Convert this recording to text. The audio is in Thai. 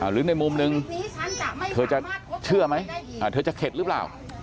หรือในมุมนึงเธอจะเชื่อไหมเธอจะเข็ดหรือเปล่า